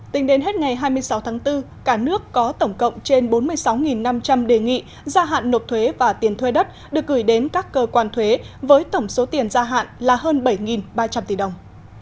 tính đến hết ngày hai mươi sáu tháng bốn cả nước có tổng cộng trên bốn mươi sáu năm trăm linh đề nghị gia hạn nộp thuế và tiền thuê đất được gửi đến các cơ quan thuế với tổng số tiền gia hạn là hơn bảy ba trăm linh tỷ đồng